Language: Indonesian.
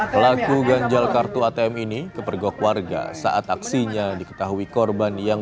pelaku ganjal atm ini kepergatan